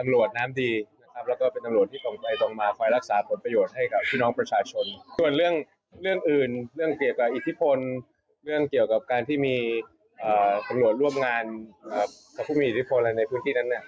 และทำให้ตำรวจร่วมงานกับผู้มีอิทธิพลในพื้นที่นั้น